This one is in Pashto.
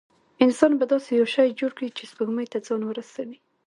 انسان به داسې یو شی جوړ کړي چې سپوږمۍ ته ځان ورسوي.